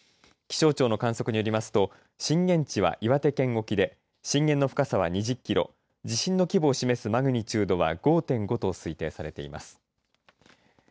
気象庁の観測によりますと震源地は岩手県沖で震源の深さは２０キロ地震の規模を示すマグニチュードは５．５と推定されています。